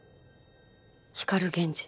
光源氏。